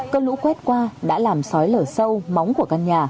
cơn lũ quét qua đã làm sói lở sâu